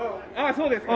そうですか。